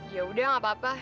yaudah gak apa apa